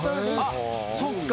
あっそっか。